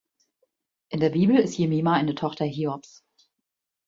In der Bibel ist Jemima eine Tochter Hiobs.